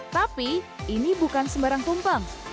tapi ini bukan sembarang tumpeng